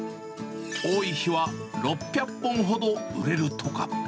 多い日は、６００本ほど売れるとか。